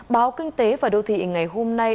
báo kinh tế và đô thị ngày hôm nay